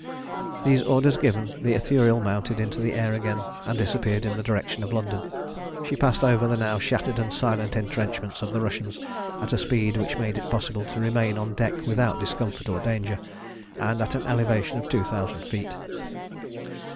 These orders given, the Ithuriel mounted into the air again, and disappeared in the direction of London. She passed over the now shattered and silent entrenchments of the Russians at a speed which made it possible to remain on deck without discomfort or danger, and at an elevation of two thousand feet.